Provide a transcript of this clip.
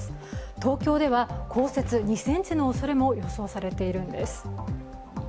東京では降雪２ｃｍのおそれも予想されているんです。